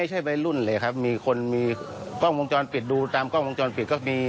ว่าทุบรถทำทำไม